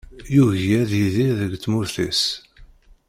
Yugi ad yidir deg tmurt-is.